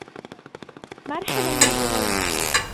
مرحبا يا بنيّ